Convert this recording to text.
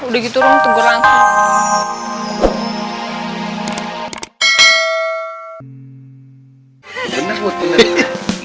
udah gitu rong tunggu langsung